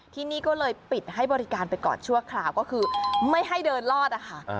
ที่นี่ก็เลยปิดให้บริการไปก่อนชั่วคราวก็คือไม่ให้เดินรอดนะคะ